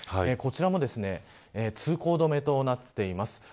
こちらも通行止めとなっています。